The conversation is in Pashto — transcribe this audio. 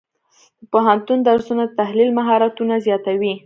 د پوهنتون درسونه د تحلیل مهارتونه زیاتوي.